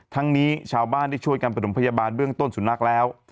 ทั้งนี้ชาวบ้านได้ช่วยกันประถมพยาบาลเบื้องต้นสุนัขแล้ว